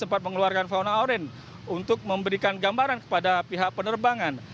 sempat mengeluarkan fauna orange untuk memberikan gambaran kepada pihak penerbangan